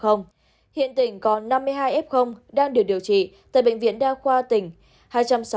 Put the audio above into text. hiện tỉnh có năm mươi hai f đang được điều trị tại bệnh viện đa khoa tỉnh